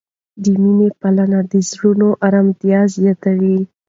د مینې پالنه د زړونو آرامتیا زیاتوي.